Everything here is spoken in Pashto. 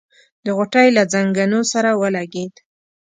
د غوټۍ له ځنګنو سره ولګېد.